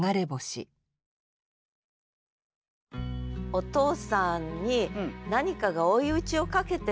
お父さんに何かが追い打ちをかけてるわけですよね。